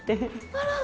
あら。